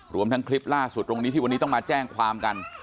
รวมทั้งคลิปล่าสุดตรงนี้ที่วันนี้ต้องมาแจ้งความกัน